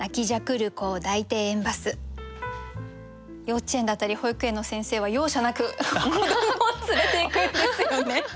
幼稚園だったり保育園の先生は容赦なく子どもを連れていくんですよね。